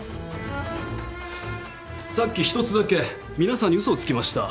さっき１つだけ皆さんに嘘をつきました。